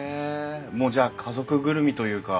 もうじゃあ家族ぐるみというか。